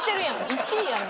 １位やねん。